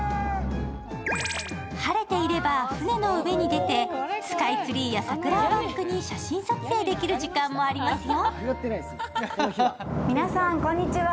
晴れていれば船の上に出てスカイツリーや桜をバックに写真撮影できる時間もありますよ。